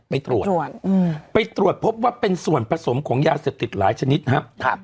ไปตรวจไปตรวจพบว่าเป็นส่วนผสมของยาเสพติดหลายชนิดครับ